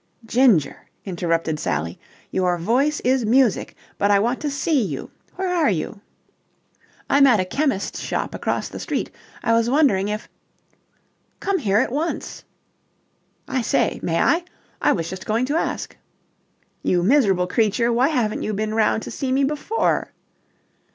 "Ginger," interrupted Sally, "your voice is music, but I want to see you. Where are you?" "I'm at a chemist's shop across the street. I was wondering if..." "Come here at once!" "I say, may I? I was just going to ask." "You miserable creature, why haven't you been round to see me before?"